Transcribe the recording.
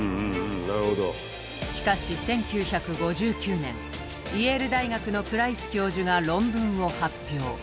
しかし１９５９年イェール大学のプライス教授が論文を発表。